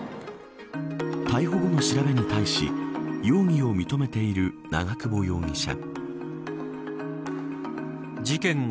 逮捕後の調べに対し容疑を認めている長久保容疑者。